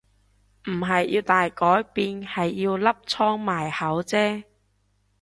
唔係要大改變係要粒瘡埋口啫